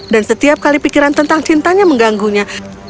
dan setiap kali pikiran tentang cintanya mengganggunya